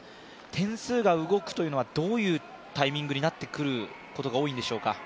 点数が動くというのは、どういうタイミングになってくることが多いんでしょうか。